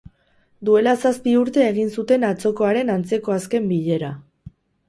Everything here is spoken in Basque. Duela zazpi urte egin zuten atzokoaren antzeko azken bilera.